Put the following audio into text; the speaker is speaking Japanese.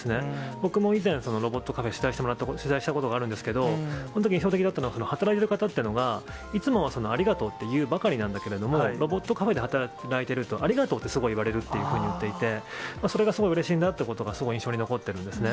僕も以前、ロボットカフェ、取材したことがあるんですけれども、そのとき、印象的だったのが、働いている方っていうのが、いつもはありがとうっていうばかりなんだけれども、ロボットカフェで働いていると、ありがとうってすごい言われるって言っていて、それがすごいうれしいなということが、すごい印象に残っているんですね。